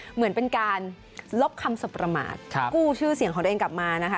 เหมือนเป็นการลบคำสบประมาทกู้ชื่อเสียงของตัวเองกลับมานะคะ